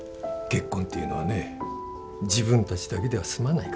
結婚っていうのはね自分たちだけでは済まないから。